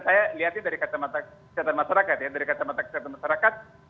saya lihat dari kacamata kesehatan masyarakat